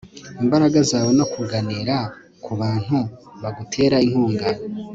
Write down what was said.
imbaraga zawe no kuganira ku bantu bagutera inkunga